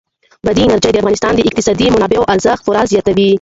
بادي انرژي د افغانستان د اقتصادي منابعو ارزښت پوره زیاتوي.